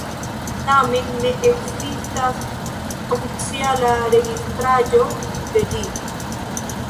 Tamen ne ekzistas oficiala registraĵo de ĝi.